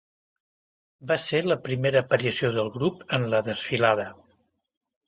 Va ser la primera aparició del grup en la desfilada.